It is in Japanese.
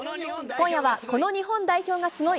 今夜は、この日本代表がスゴい！